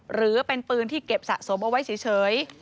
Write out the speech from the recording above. หรือเป็นปืนที่เก็บสะสมเอาไว้เฉย